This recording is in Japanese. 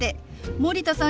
森田さん